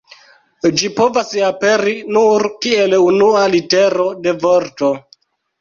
Ĝi povas aperi nur kiel unua litero de vorto.